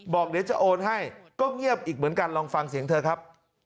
บอกเดี๋ยวจะโอนให้ก็เงียบอีกเหมือนกันลองฟังเสียงเธอครับ